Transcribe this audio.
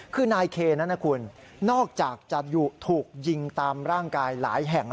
คือนายเคนั้นนะคุณนอกจากจะถูกยิงตามร่างกายหลายแห่ง